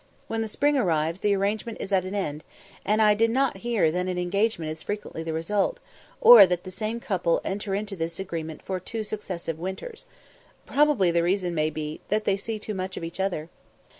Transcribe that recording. When the spring arrives, the arrangement is at an end, and I did not hear that an engagement is frequently the result, or that the same couple enter into this agreement for two successive winters. Probably the reason may be, that they see too much of each other.